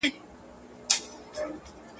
o د خوار ملا په اذان څوک روژه نه ماتوي.